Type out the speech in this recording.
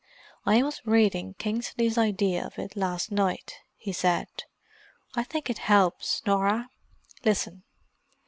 "I was reading Kingsley's idea of it last night," he said. "I think it helps, Norah. Listen.